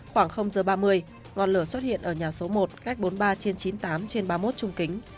khoảng giờ ba mươi ngọn lửa xuất hiện ở nhà số một cách bốn mươi ba trên chín mươi tám trên ba mươi một trung kính